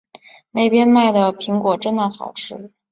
那边卖的苹果真的好吃